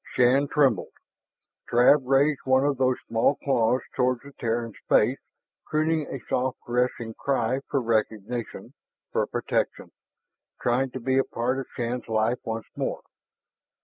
Shann trembled. Trav raised one of those small claws toward the Terran's face, crooning a soft caressing cry for recognition, for protection, trying to be a part of Shann's life once more.